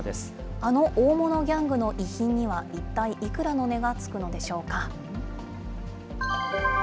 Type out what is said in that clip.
あの大物ギャングの遺品には一体いくらの値がつくのでしょうか。